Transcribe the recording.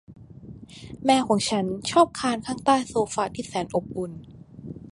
แมวของฉันชอบคลานข้างใต้โซฟาที่แสนอบอุ่น